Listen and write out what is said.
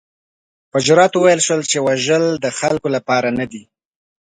په جرات وویل شول چې وژل د خلکو لپاره نه دي.